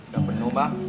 gak bener bang